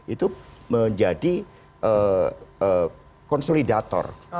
itu menjadi konsolidator